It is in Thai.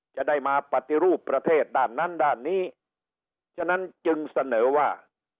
จะได้มาปฏิรูปประเทศด้านนั้นด้านนี้ฉะนั้นจึงเสนอว่า